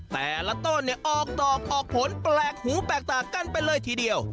แต่ละต้นเนี่ยออกดอกออกผลแปลกหูแปลกตากันไปเลยทีเดียว